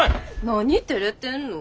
何てれてんの？